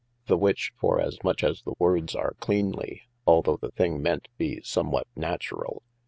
The which for as much as the words are cleanly (although the thing ment be some what natural!)